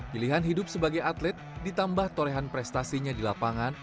pilihan hidup sebagai atlet ditambah torehan prestasinya di lapangan